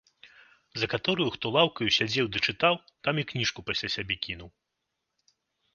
За катораю хто лаўкаю сядзеў ды чытаў, там і кніжку пасля сябе кінуў.